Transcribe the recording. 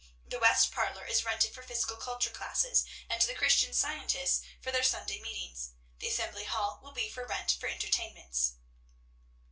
The west parlor is rented for physical culture classes, and to the Christian scientists for their Sunday meetings. The assembly hall will be for rent for entertainments.'